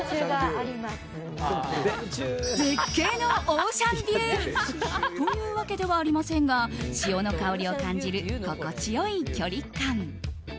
絶景のオーシャンビューというわけではありませんが潮の香りを感じる心地よい距離感。